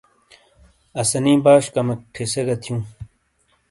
آسنی باش کمک ٹھیسے گی تھیوں۔